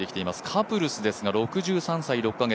カプルスですが６３歳６か月。